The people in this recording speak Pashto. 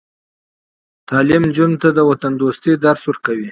تعلیم نجونو ته د وطندوستۍ درس ورکوي.